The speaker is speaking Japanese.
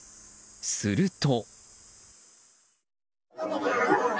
すると。